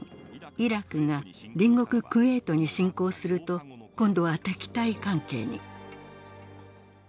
イラクが隣国クウェートに侵攻すると今度は敵対関係に。